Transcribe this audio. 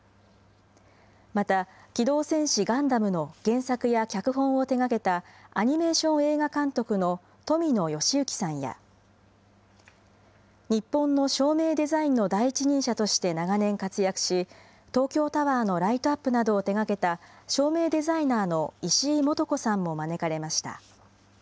また、機動戦士ガンダムの原作や脚本を手がけたアニメーション映画監督の富野由悠季さんや、日本の照明デザインの第一人者として長年活躍し、東京タワーのライトアップなどを手がけた照明デザイナーの石井幹子さんも招かれました。